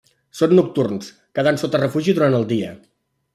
Són nocturns, quedant sota refugi durant el dia.